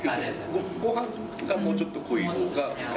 ごはんがもうちょっと濃いほうが。